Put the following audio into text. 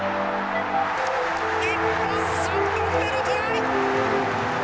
日本３本目のトライ！